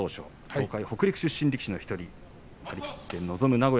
東海北陸出身力士の１人です。